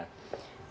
jadi berapa lama itu